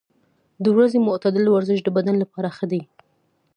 د ورځې معتدل ورزش د بدن لپاره ښه دی.